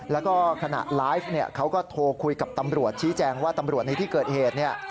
แล้วก็ขณะไลฟ์เขาก็โทรคุยกับตำรวจชี้แจงว่าตำรวจในที่เกิดเหตุเนี่ย